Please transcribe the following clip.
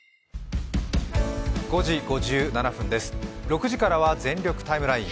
６時からは「全力タイムライン」。